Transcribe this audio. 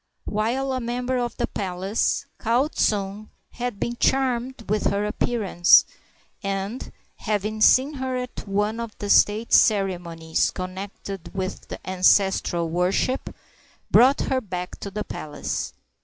While a member of the palace, Kau tsung had been charmed with her appearance, and, having seen her at one of the state ceremonies connected with the ancestral worship, brought her back to the palace.